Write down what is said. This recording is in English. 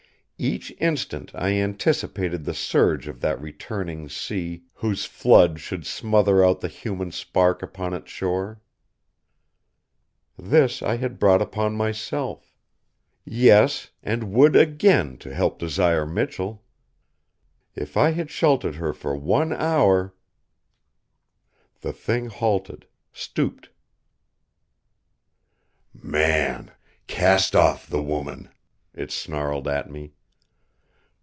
Each instant I anticipated the surge of that returning sea whose flood should smother out the human spark upon its shore. This I had brought upon myself. Yes, and would again to help Desire Michell! If I had sheltered her for one hour ! The Thing halted, stooped. "Man, cast off the woman," It snarled at me.